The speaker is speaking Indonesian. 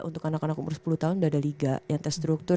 untuk anak anak umur sepuluh tahun sudah ada liga yang terstruktur